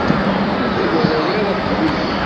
Ur t-iwala ara Tom.